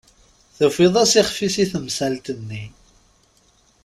Tufiḍ-as ixf-is i temsalt-nni?